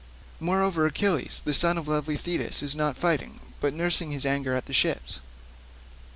Moreover, Achilles, the son of lovely Thetis, is not fighting, but is nursing his anger at the ships."